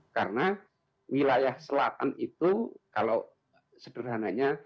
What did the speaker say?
karena wilayah selatan itu kalau sederhananya